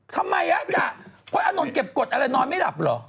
ทำไมพระอานนท์เก็บกฎอะไรนอนไม่หลับเหรอ